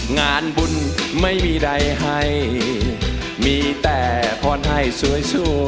งานบุญไม่มีใดให้มีแต่พรให้สวยสู้